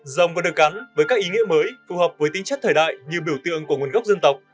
rồng vẫn được gắn với các ý nghĩa mới phù hợp với tính chất thời đại như biểu tượng của nguồn gốc dân tộc